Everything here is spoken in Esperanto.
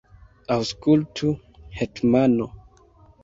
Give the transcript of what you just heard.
Aŭskultu, hetmano!